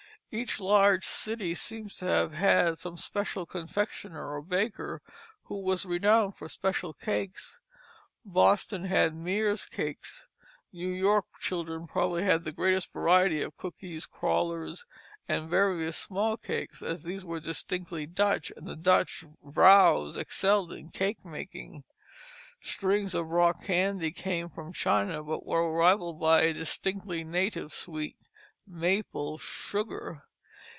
Each large city seems to have had some special confectioner or baker who was renowned for special cakes. Boston had Meer's cakes. New York children probably had the greatest variety of cookies, crullers, and various small cakes, as these were distinctly Dutch, and the Dutch vrouws excelled in cake making. Strings of rock candy came from China, but were rivalled by a distinctly native sweet maple sugar.